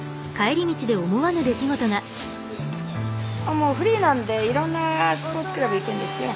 もうフリーなんでいろんなスポーツクラブ行くんですよ。